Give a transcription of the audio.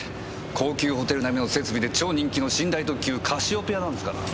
高級ホテル並みの設備で超人気の寝台特急カシオペアなんですから。